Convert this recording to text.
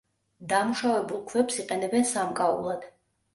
დამუშავებულ ქვებს იყენებენ სამკაულად.